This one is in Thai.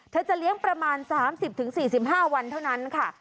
จะเลี้ยงประมาณ๓๐๔๕วันเท่านั้นค่ะ